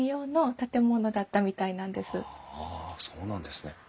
あそうなんですね。